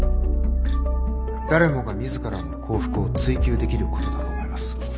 誰もが自らの幸福を追求できることだと思います。